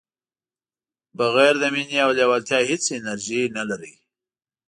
بغیر د مینې او لیوالتیا هیڅ انرژي نه لرئ.